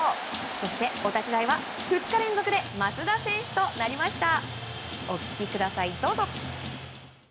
そしてお立ち台は２日連続で増田選手となりました。